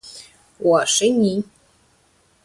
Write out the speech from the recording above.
我是你爹！